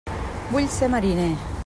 Vull ser mariner!